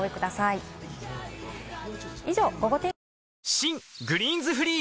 新「グリーンズフリー」